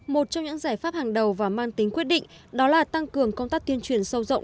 một trong những giải pháp hàng đầu và mang tính quyết định đó là tăng cường công tác tuyên truyền sâu rộng